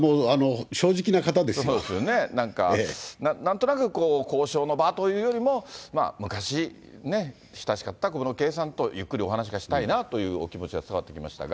そうですよね、なんか、交渉の場というよりも、昔、親しかった小室圭さんと、ゆっくりお話がしたいなという気持ちが伝わってきましたが。